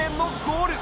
「ゴール！！」